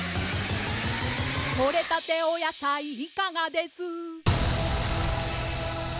「とれたてお野菜いかがです」